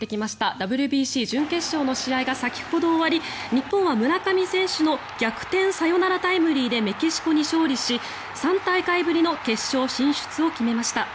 ＷＢＣ準決勝の試合が先ほど終わり日本は村上選手の逆転サヨナラタイムリーでメキシコに勝利し３大会ぶりの決勝進出を決めました。